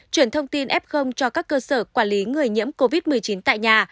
chuyển thông tin f cho các cơ sở quản lý người nhiễm covid một mươi chín tại nhà